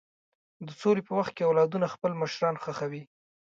د سولې په وخت کې اولادونه خپل مشران ښخوي.